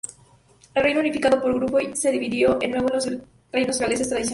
El reino unificado por Gruffydd se dividió de nuevo en los reinos galeses tradicionales.